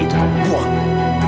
atau kamu tahu berhasil